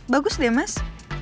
bagus deh mas